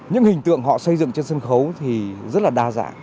lực lượng họ xây dựng trên sân khấu thì rất là đa dạng